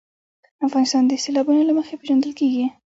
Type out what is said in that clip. افغانستان د سیلابونه له مخې پېژندل کېږي.